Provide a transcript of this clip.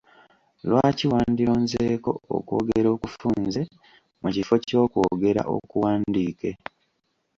Lwaki wandironzeeko okwogera okufunze mu kifo ky'okwogera okuwandiike?